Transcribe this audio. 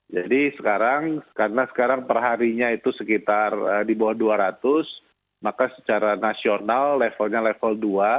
jadi sekarang karena sekarang perharinya itu sekitar di bawah dua ratus maka secara nasional levelnya level dua